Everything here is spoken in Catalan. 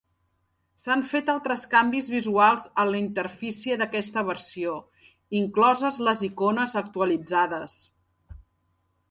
S'han fet altres canvis visuals a la interfície d'aquesta versió, incloses les icones actualitzades.